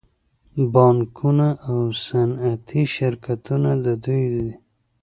بانکونه او صنعتي شرکتونه د دوی دي